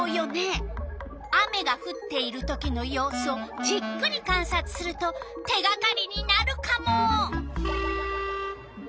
雨がふっているときのようすをじっくりかんさつすると手がかりになるカモ！